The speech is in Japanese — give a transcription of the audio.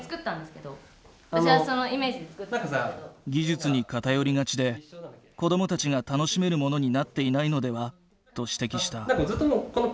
技術に偏りがちで子どもたちが楽しめるものになっていないのではと指摘した。